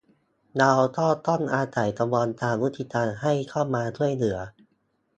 เราก็ต้องอาศัยกระบวนการยุติธรรมให้เข้ามาช่วยเหลือ